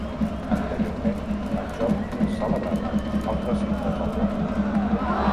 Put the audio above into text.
Anteriorment el joc es celebrava als recintes del campus.